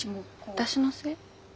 私のせい？